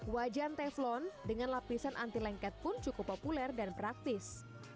wajan teflon dengan lapisan anti lengket pun cukup populer dan praktis